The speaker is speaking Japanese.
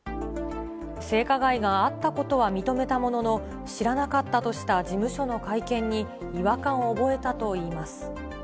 性加害があったことは認めたものの、知らなかったとした事務所に会見に違和感を覚えたといいます。